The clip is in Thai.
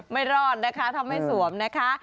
ไม่รอดนะคะถ้าไม่สวมนะคะ